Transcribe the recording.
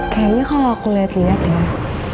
kayaknya kalau aku liat liat ya